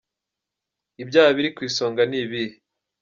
Ibyaha biri ku isonga ni ibihe?.